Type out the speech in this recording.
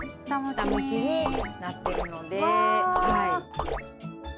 下向きになってるので。